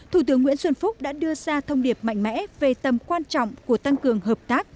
thủ tướng nguyễn xuân phúc đã đưa ra thông điệp mạnh mẽ về tầm quan trọng của tăng cường hợp tác